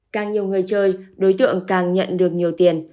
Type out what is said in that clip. càng nhiều người chơi đối tượng càng nhận được nhiều tiền